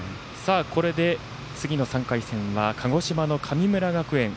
これで次の３回戦は鹿児島の神村学園。